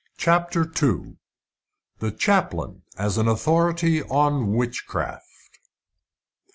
CHAPTER II. THE CHAPLAIN AS AN AUTHORITY ON WITCHCRAFT.